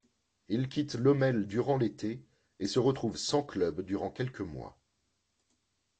Il quitte Lommel durant l'été et se retrouve sans club durant quelques mois.